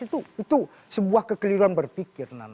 itu sebuah kekeliruan berpikir